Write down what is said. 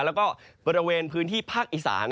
แล้วก็บริเวณพื้นที่ภาคอีสาน